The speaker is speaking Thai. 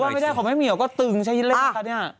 แต่ว่าไม่ได้ของแม่เมียวก็ตึงใช้เล่นตัดเนี่ย